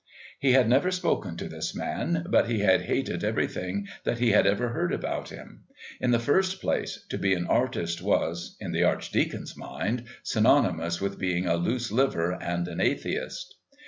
He had never spoken to this man, but be had hated everything that he had ever heard about him. In the first place, to be an artist was, in the Archdeacon's mind, synonymous with being a loose liver and an atheist.